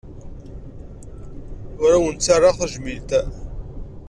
Ur awen-ttarraɣ tajmilt.